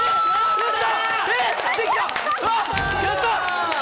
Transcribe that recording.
やった！